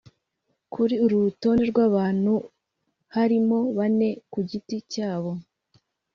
Kuri uru rutonde rw’abantu batanu harimo bane ku giti cyabo